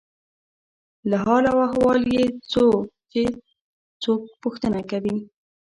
له حال او احوال یې څو چې څوک پوښتنه کوي.